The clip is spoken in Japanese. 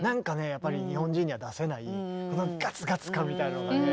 やっぱり日本人には出せないガツガツ感みたいなのがね